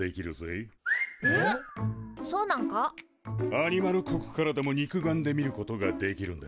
アニマル国からでも肉眼で見ることができるんだ。